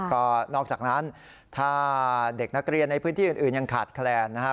ก็นอกจากนั้นถ้าเด็กนักเรียนในพื้นที่อื่นยังขาดแคลนนะครับ